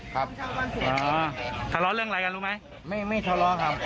ทะเลาะเรื่องอะไรกันรู้ไหมไม่ไม่ทะเลาะครับ